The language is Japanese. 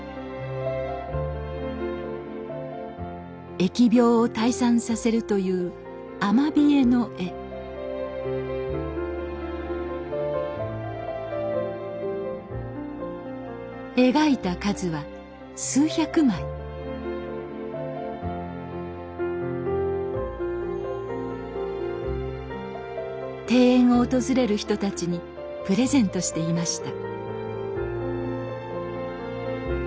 疫病を退散させるというアマビエの絵描いた数は数百枚庭園を訪れる人たちにプレゼントしていました